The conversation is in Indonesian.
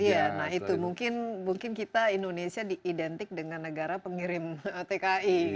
iya nah itu mungkin kita indonesia diidentik dengan negara pengirim tki